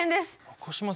中島さん